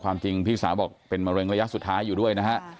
จริงพี่สาวบอกเป็นมะเร็งระยะสุดท้ายอยู่ด้วยนะฮะ